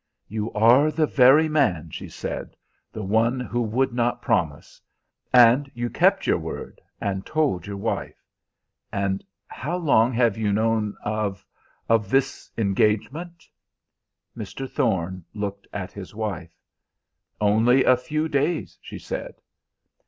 "You are the very man," she said, "the one who would not promise. And you kept your word and told your wife. And how long have you known of of this engagement?" Mr. Thorne looked at his wife. "Only a few days," she said.